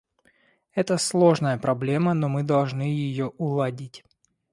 Это сложная проблема, но мы должны ее уладить.